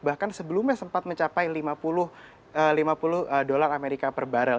bahkan sebelumnya sempat mencapai lima puluh dolar amerika per barrel